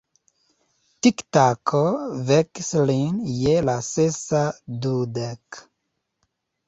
Tiktako vekis lin je la sesa dudek.